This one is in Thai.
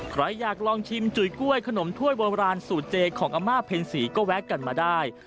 ใครอยากลองชิมจุ๋ยกล้วยขนมถ้วยโบราณสูตรเจของอาม่าเพ็ญศรีก็แวะกันมาได้